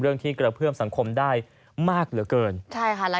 ที่กระเพื่อมสังคมได้มากเหลือเกินใช่ค่ะแล้ว